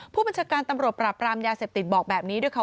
ผู้บัญชาการตำรวจปราบรามยาเสพติดบอกแบบนี้ด้วยค่ะ